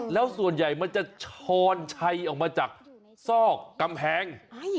แล้วส่วนใหญ่มันจะช้อนชัยออกมาจากซอกกำแพง